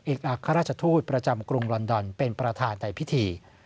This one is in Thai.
เอกอกข้าราชทู้ประจำกรุงลอนดอนเป็นประธานใต้พิธี